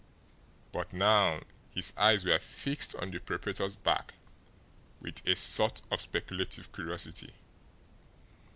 But now his eyes were fixed on the proprietor's back with a sort of speculative curiosity.